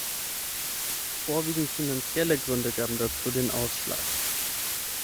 Vorwiegend finanzielle Gründe gaben dazu den Ausschlag.